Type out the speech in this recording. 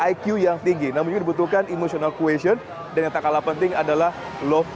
iq yang tinggi namun juga dibutuhkan emotional question dan yang tak kalah penting adalah love